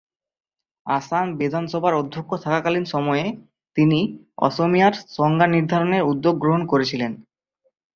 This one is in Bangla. আসাম বিধানসভার অধ্যক্ষ থাকাকালীন সময়ে তিনি "অসমীয়া"র সংজ্ঞা নির্ধারণের উদ্যোগ গ্রহণ করেছিলেন।